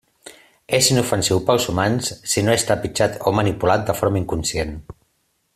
És inofensiu per als humans si no és trepitjat o manipulat de forma inconscient.